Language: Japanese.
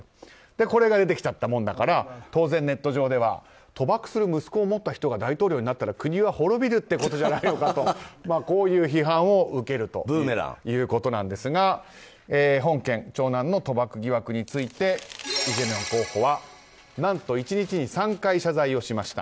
これが出てきちゃったものだから当然ネット上では賭博する息子を持った人が大統領になったら国は滅びるってことじゃないかとこういう批判を受けるということなんですが本件、長男の賭博疑惑についてイ・ジェミョン候補は何と、１日に３回謝罪をしました。